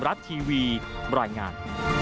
รัฐทีวีบรรยายงาน